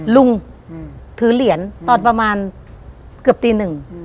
ลุงถือเหรียญตอนประมาณเกือบตีหนึ่ง